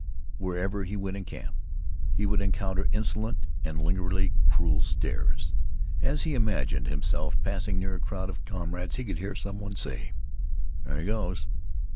Wherever he went in camp, he would encounter insolent and lingeringly cruel stares. As he imagined himself passing near a crowd of comrades, he could hear some one say, "There he goes!"